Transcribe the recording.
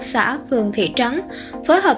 xã phường thị trấn phối hợp